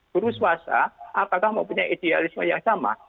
guru swasta apakah mempunyai idealisme yang sama